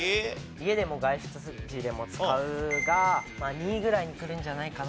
「家でも外出時でも使う」が２位ぐらいにくるんじゃないかな。